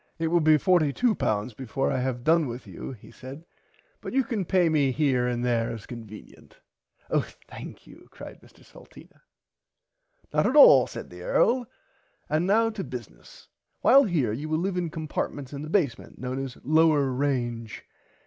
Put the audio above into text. It will be £42 before I have done with you he said but you can pay me here and there as convenient. Oh thankyou cried Mr Salteena. Not at all said the Earl and now to bissness. While here you will live in compartments in the basement known as Lower Range.